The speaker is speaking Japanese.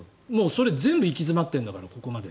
それは全部行き詰まっているんだからここまで。